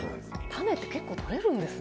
種って結構とれるんですね